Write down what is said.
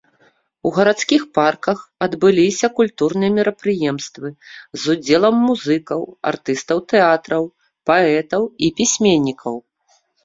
У гарадскіх парках адбыліся культурныя мерапрыемствы з удзелам музыкаў, артыстаў тэатраў, паэтаў і пісьменнікаў.